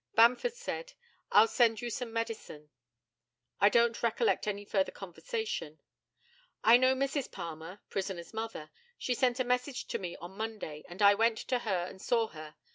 Bamford said, "I'll send you some medicine." I don't recollect any further conversation. I know Mrs. Palmer, prisoner's mother. She sent a message to me on Monday, and I went to her and saw her.